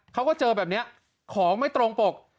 เขาก็เจอแบบนี้ของไม่ตรงปก